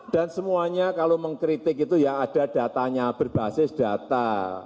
dan semuanya kalau mengkritik itu ya ada datanya berbasis data